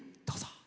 どうぞ。